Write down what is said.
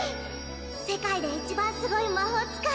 世界でいちばんすごい魔法使い